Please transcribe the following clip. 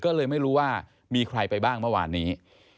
ก็เลยไม่รู้ว่ามีใครไปบ้างเมื่อวานนี้